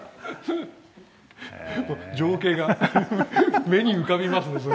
情景が目に浮かびますね。